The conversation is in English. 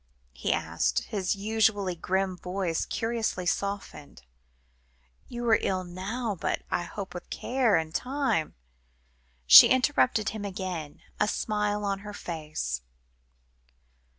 he asked, his usually grim voice curiously softened. "You are ill now, but I hope with care in time " She interrupted him again, a smile on her face.